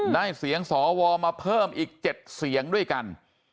เสียงสวมาเพิ่มอีก๗เสียงด้วยกัน